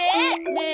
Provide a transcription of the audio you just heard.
ねえ